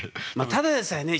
ただでさえね